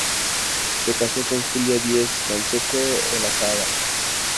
Se casó con Julia Diez Canseco Olazábal.